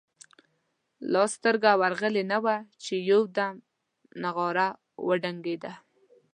لا سترګه ورغلې نه وه چې یو دم نغاره وډنګېده.